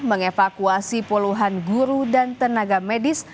mengevakuasi puluhan guru dan tenaga medis